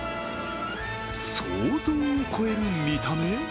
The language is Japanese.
想像を超える見た目？